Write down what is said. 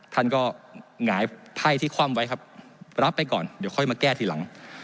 ท่านก็หงายไพ่ที่คว่ำไว้ครับรับไปก่อนเดี๋ยวค่อยมาแก้ทีหลัง